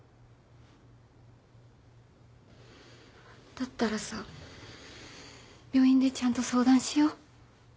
だったらさ病院でちゃんと相談しよう。